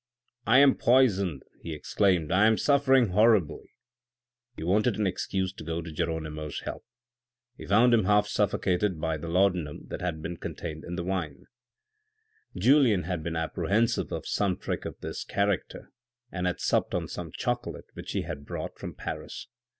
" I am poisoned," he exclaimed, " I am suffering horribly !" He wanted an excuse to go to Geronimo's help. He found him half suffocated by the laudanum that had been contained in the wine. THE CLERGY, THE FORESTS, LIBERTY 399 Julien had been apprehensive of some trick of this charade and had supped on some chocolate which he had brought from Paris.